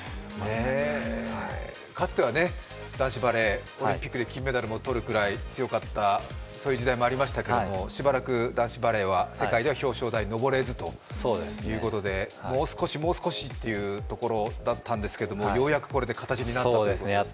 かつては男子バレー、オリンピックで金メダルを取るくらい強かった、そういう時代もありましたけれども、しばらく男子バレーは世界では表彰台に上れずということでもう少し、もう少しというところだったんですけれどもようやくこれで形になったということですね。